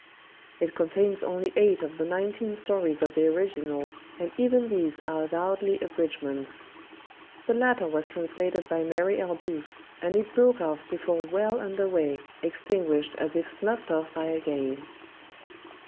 It contains only eight of the nineteen stories of the original, and even these are avowedly abridgments. The latter was translated by Mary L. Booth, and it broke off before well under way extinguished as if snuffed off by a gale.